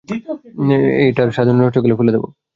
এটার স্বাদ নষ্ট হয়ে গেলে ফেলে দেবো।